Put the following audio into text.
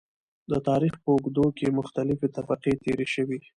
د تاريخ په اوږدو کې مختلفې طبقې تېرې شوي .